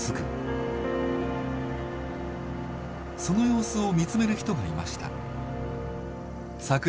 その様子を見つめる人がいました。